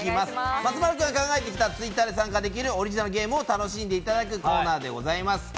松丸君が考えたＴｗｉｔｔｅｒで参加できるオリジナルゲームを楽しんでいただくコーナーです。